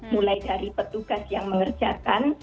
mulai dari petugas yang mengerjakan